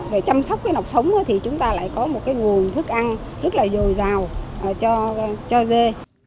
về chăm sóc cái nọc sống thì chúng ta lại có một cái nguồn thức ăn rất là dồi dào cho dê